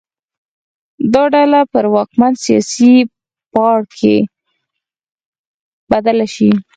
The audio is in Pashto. دا ډله پر واکمن سیاسي پاړکي بدله شي.